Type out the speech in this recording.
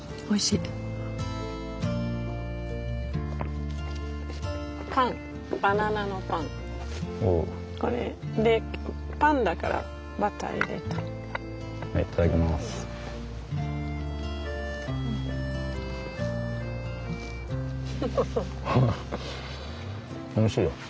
おいしいよ。